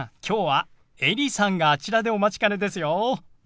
きょうはエリさんがあちらでお待ちかねですよ。